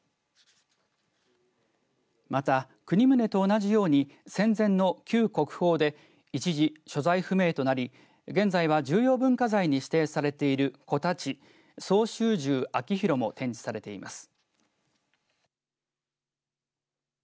また、国宗と同じように戦前の旧国宝で一時、所在不明となり現在は重要文化財に指定されている小太刀相州住秋廣も展示されています。